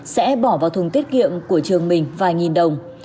sẽ bỏ vào thùng tiết kiệm của trường mình vài nghìn đồng